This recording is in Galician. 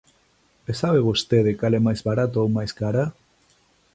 ¿E sabe vostede cal é máis barata ou máis cara?